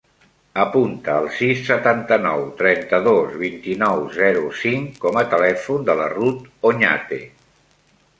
Apunta el sis, setanta-nou, trenta-dos, vint-i-nou, zero, cinc com a telèfon de la Ruth Oñate.